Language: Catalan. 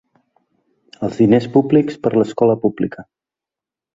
Els diners públics per a l'escola pública.